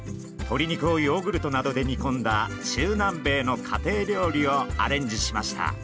鶏肉をヨーグルトなどで煮込んだ中南米の家庭料理をアレンジしました。